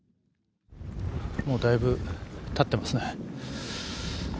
もうだいぶたってますね。